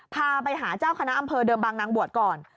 พาไปหาเจ้าคณะอำเภอเดิมบางนางบวชก่อน